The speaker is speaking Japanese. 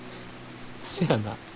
せやな。